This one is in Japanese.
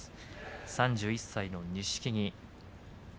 ３１歳の錦木。